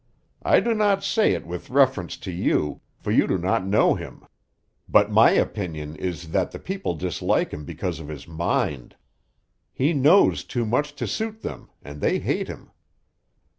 I do not say it with reference to you, for you do not know him; but my opinion is that the people dislike him because of his mind. He knows too much to suit them, and they hate him."